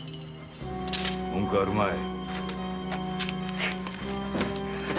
文句はあるまい。